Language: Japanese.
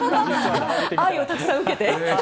愛をたくさん受けて。